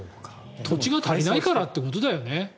土地が足りないからってことだよね。